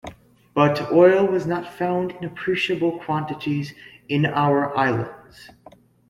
But oil was not found in appreciable quantities in our islands.